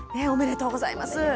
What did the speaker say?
おめでとうございます。